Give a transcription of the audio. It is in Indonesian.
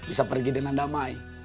bisa pergi dengan damai